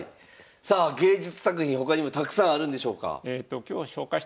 さあ芸術作品他にもたくさんあるんでしょうか？